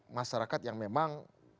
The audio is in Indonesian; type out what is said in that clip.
masyarakat yang memang